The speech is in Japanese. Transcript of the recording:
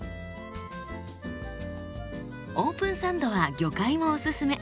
オープンサンドは魚介もおすすめ。